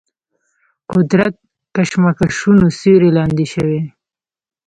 قدرت کشمکشونو سیوري لاندې شوي.